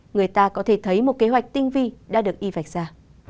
người ta có thể thấy một kế hoạch tinh vi đã được y vạch ra